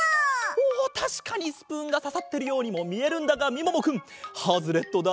おたしかにスプーンがささってるようにもみえるんだがみももくんハズレットだ。